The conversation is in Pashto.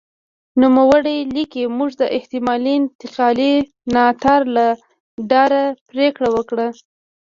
نوموړی لیکي موږ د احتمالي انتقالي ناتار له ډاره پرېکړه وکړه.